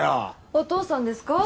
お父さんですか？